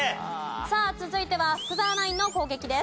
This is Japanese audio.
さあ続いては福澤ナインの攻撃です。